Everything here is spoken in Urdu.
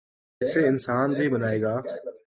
، اسے انسان بھی بنائے گا۔